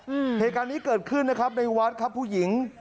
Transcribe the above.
เหตุการณ์นี้เกิดขึ้นนะครับในวัดครับผู้หญิง